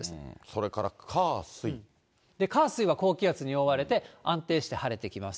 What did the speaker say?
それから火、火、水は高気圧に覆われて、安定して晴れてきます。